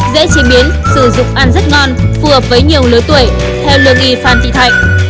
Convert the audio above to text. dễ chế biến sử dụng ăn rất ngon phù hợp với nhiều lứa tuổi theo lương y phan thị thạnh